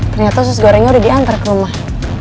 ternyata sus gorengnya udah diantar ke rumah